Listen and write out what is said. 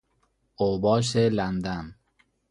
اوباش لندن